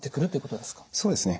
そうですね。